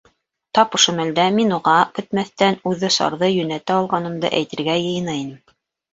Тап ошо мәлдә мин уға, көтмәҫтән үҙосарҙы йүнәтә алғанымды, әйтергә йыйына инем!